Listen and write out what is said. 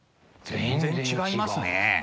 全然違いますね。